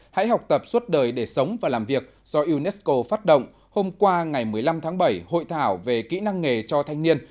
hãy học tập suốt đời để sống và làm việc do unesco phát động hôm qua ngày một mươi năm tháng bảy hội thảo về kỹ năng nghề cho thanh niên